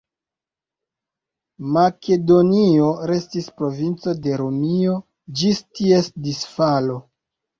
Makedonio restis provinco de Romio ĝis ties disfalo.